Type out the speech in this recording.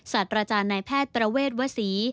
สัตว์ราชาญนายแพทย์ประเวทวศี